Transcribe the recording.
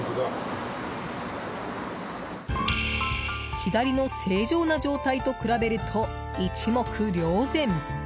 左の正常な状態と比べると一目瞭然。